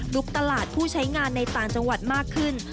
ตลาดผู้ใช้งานในต่างจังหวัดมากขึ้น